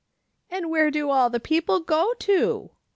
" And where do all the people go to